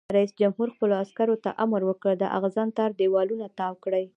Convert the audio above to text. رئیس جمهور خپلو عسکرو ته امر وکړ؛ د اغزن تار دیوالونه تاو کړئ!